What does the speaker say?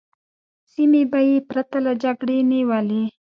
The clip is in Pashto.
سیمې به یې پرته له جګړې نیولې.